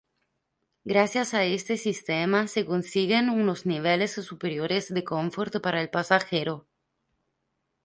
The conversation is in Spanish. Gracias a este sistema se consiguen unos niveles superiores de confort para el pasajero.